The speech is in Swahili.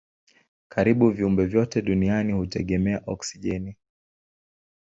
Karibu viumbe vyote duniani hutegemea oksijeni.